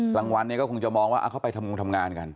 กลางวันเนี่ยก็คงจะมองว่าเขาไปทำงงทำงานกัน